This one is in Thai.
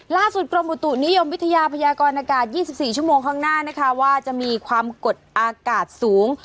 กรมอุตุนิยมวิทยาพยากรอากาศ๒๔ชั่วโมงข้างหน้านะคะว่าจะมีความกดอากาศสูง